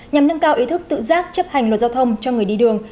nhằm nâng cao ý thức tự giác chấp hành luật giao thông cho người đi đường